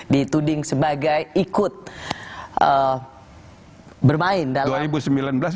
dituding sebagai ikut bermain dalam